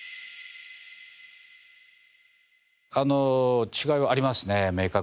あの違いはありますね明確に。